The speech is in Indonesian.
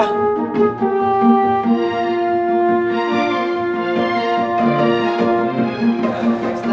terima kasih ya